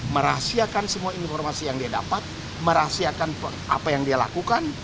merahasiakan semua informasi yang dia dapat merahasiakan apa yang dia lakukan